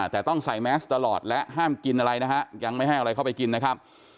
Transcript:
แต่ต้องใส่แมสตลอดและห้ามกินอะไรนะฮะยังไม่ให้อะไรเข้าไปกินนะครับ